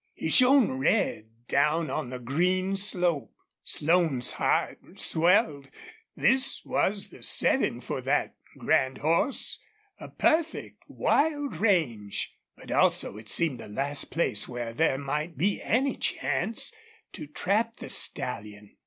He shone red down on the green slope. Slone's heart swelled. This was the setting for that grand horse a perfect wild range. But also it seemed the last place where there might be any chance to trap the stallion.